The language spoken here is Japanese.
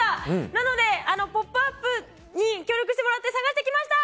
なので、「ポップＵＰ！」に協力してもらって探してきました！